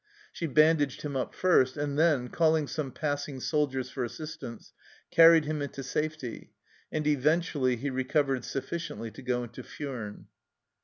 She bandaged him up first, and then, calling some passing soldiers for assistance, carried him into safety, and eventually he re covered sufficiently to go into Furnes.